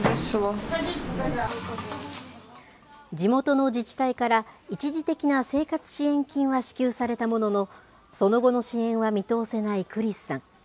地元の自治体から、一時的な生活支援金は支給されたものの、その後の支援は見通せないクリスさん。